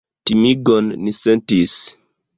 Timegon ni sentis!